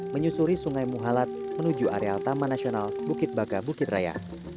menyusuri sungai muhalat menuju areal taman nasional bukit baka bukit raya